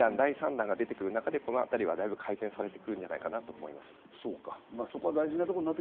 第２弾、第３弾が出てくる中で、だいぶ改善されてくるんじゃないかなと思います。